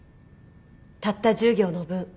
たった１０行の文。